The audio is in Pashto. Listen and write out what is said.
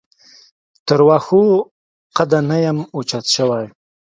تر واښو قده نه یم اوچت شوی.